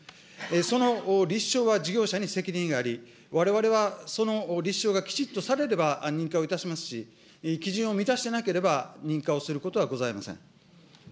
その立証は事業者に責任があり、われわれはその立証がきちっとされれば認可をいたしますし、基準を満たしていなければ、認可をすることはございません。